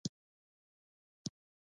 چې ماته یې د سریزې لیکلو لپاره راکړی دی.